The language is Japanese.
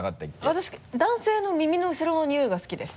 私男性の耳の後ろのニオイが好きです。